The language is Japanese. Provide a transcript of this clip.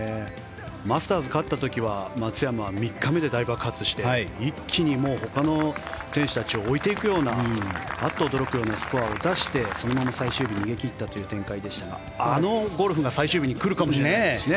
マスターズ、勝った時は松山は３日目で大爆発して一気にほかの選手たちを置いていくようなあっと驚くようなスコアを出してそのまま最終日逃げ切ったという展開でしたがあのゴルフが最終日に来るかもしれないですしね。